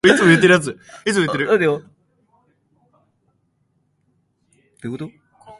おさきにしつれいします